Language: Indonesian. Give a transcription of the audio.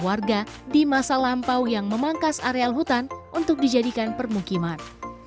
warga di masa lampau yang memangkas areal hutan untuk dijadikan permukiman